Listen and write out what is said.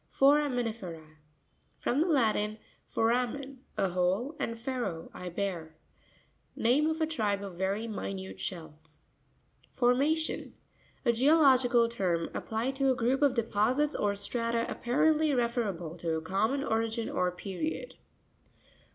Forami NirE'RA.— From the Latin, foramen, a hole, and fero, I bear. Name of a tribe of very minute shells. Forma'rioy.—A geological term ap plied to a group of deposits or strata apparently referable to a common origin or period.